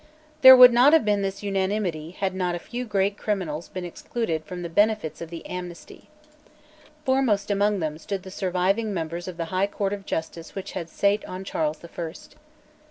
There would not have been this unanimity had not a few great criminals been excluded from the benefits of the amnesty. Foremost among them stood the surviving members of the High Court of Justice which had sate on Charles the First.